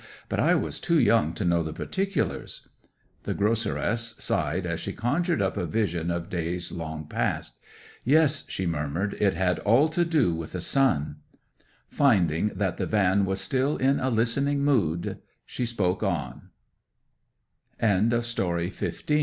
But I was too young to know particulars.' The groceress sighed as she conjured up a vision of days long past. 'Yes,' she murmured, 'it had all to do with a son.' Finding that the van was still in a listening mood, she spoke on:— THE WINTERS AND THE PAL